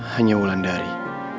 hanya ulan dari